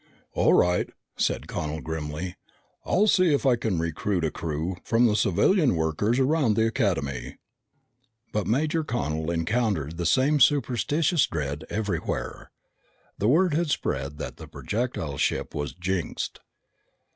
"All right," said Connel grimly. "I'll see if I can recruit a crew from the civilian workers around the Academy." But Major Connel encountered the same superstitious dread everywhere. The word had spread that the projectile ship was jinxed.